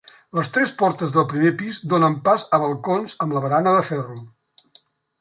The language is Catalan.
Les tres portes del primer pis donen pas a balcons amb la barana de ferro.